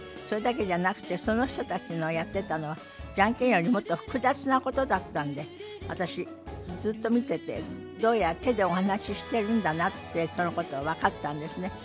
それだけじゃなくてその人たちのやってたのはジャンケンよりもっと複雑なことだったんで私ずっと見ててどうやら手でお話ししてるんだなってそのことが分かったんですね。